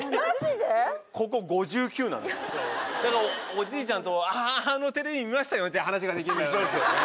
ここ５９なのだからおじいちゃんと「あのテレビ見ましたよ」って話ができるんだよね。